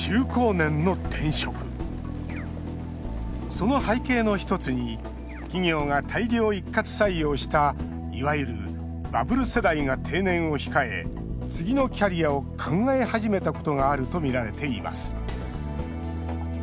その背景の一つに企業が大量一括採用したいわゆるバブル世代が定年を控え次のキャリアを考え始めたことがあるとみられています。